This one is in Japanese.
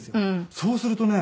そうするとね